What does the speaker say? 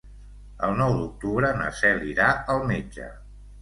El nou d'octubre na Cel irà al metge.